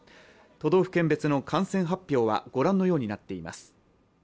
都道府県別の感染発表は御覧のようになっています。